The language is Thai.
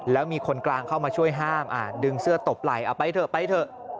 แล้วมีคนกลางเข้ามาช่วยห้ามดึงเสื้อตบไหล่เอาไปเถอะไปเถอะ